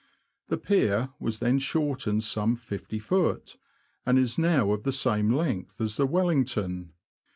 The pier was then shortened some 50ft., and is now of the same length as the Wel lington.